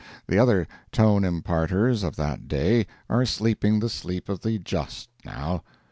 The other Tone imparters of that day are sleeping the sleep of the just now.